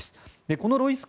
このロイス家